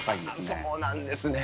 そうなんですね。